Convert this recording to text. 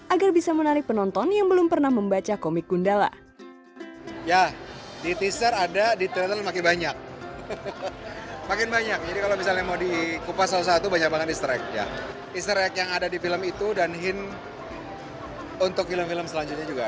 agar bisa menarik penonton yang belum pernah membaca komik gundala